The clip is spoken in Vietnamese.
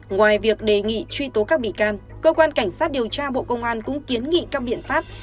ngoài việc đề nghị truy tố các bị can cơ quan cảnh sát điều tra bộ công an cũng kiến nghị các biện pháp